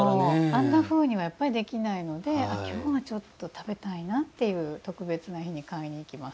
あんなふうにはやっぱりできないので今日はちょっと食べたいなという特別な日に買いに行きます。